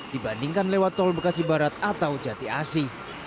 dibandingkan lewat tol bekasi barat atau jati asi